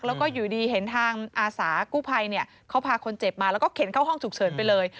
แล้วก็อยู่ดีเห็นทางอาสากู้ภัยเขาพาคนเจ็บมาแล้วก็เข็นเข้าห้องฉุกเฉินไปเลย